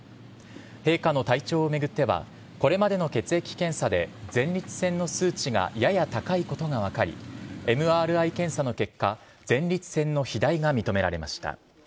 陛下の体調を巡っては、これまでの血液検査で、前立腺の数値がやや高いことが分かり、ＭＲＩ検査の結果、前立腺の肥大が認められました。